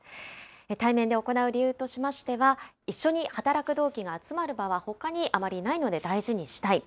対面で行う理由としましては、一緒に働く同期が集まる場はほかにあまりないので大事にしたい。